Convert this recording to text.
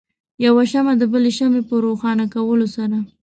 یو شمع د بلې شمعې په روښانه کولو سره.